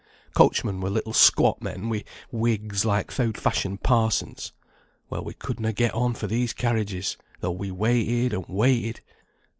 Coachmen were little squat men, wi' wigs like th' oud fashioned parsons. Well, we could na get on for these carriages, though we waited and waited.